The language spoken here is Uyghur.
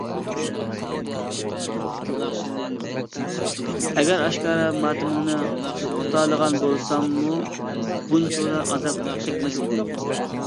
ئەگەر ئاشكارا ماتىمىڭنى تۇتالىغان بولساممۇ بۇنچىۋالا ئازاب چەكمەس ئىدىم.